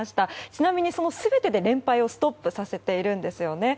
ちなみに、その全てで連敗をストップさせているんですよね。